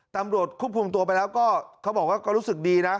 ตำรวจควบคุมตัวไปแล้วก็เขาบอกว่าก็รู้สึกดีนะ